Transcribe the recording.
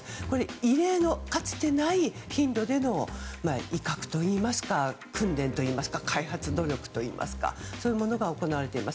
異例のかつてない頻度での威嚇といいますか訓練といいますか開発努力といいますかそういうものが行われています。